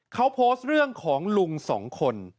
เขาโพสต์เรื่องของลุงสองคน